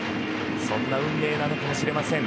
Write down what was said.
そんな運命なのかもしれません。